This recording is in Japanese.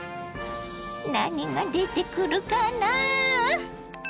何が出てくるかな？